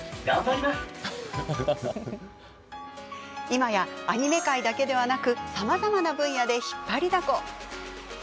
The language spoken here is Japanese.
今やアニメ界だけでなくさまざまな分野で引っ張りだこ。